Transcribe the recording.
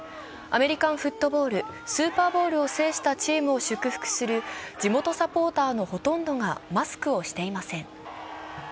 アメリカンフットボール・スーパーボウルを制したチームを祝福する地元サポーターのほとんどがマスクをしていません。